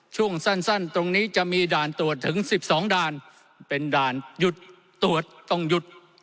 ช่วงสั้นตรงนี้จะมีด่านตรวจถึง๑๒ด่านเป็นด่านหยุดตรวจต้องหยุด